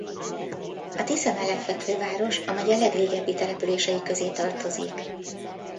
A Tisza mellett fekvő város a megye legrégebbi települései közé tartozik.